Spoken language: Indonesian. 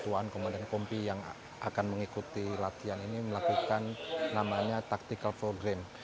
pengusatuan komandan kompi yang akan mengikuti latihan ini melakukan namanya tactical floor game